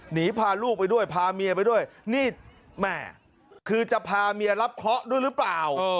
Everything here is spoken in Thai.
หนีพาลูกไปด้วยพาเมียไปด้วยนี่แม่คือจะพาเมียรับเคราะห์ด้วยหรือเปล่า